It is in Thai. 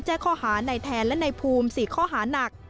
ข้อหาในแทนและในภูมิ๔ข้อหานัก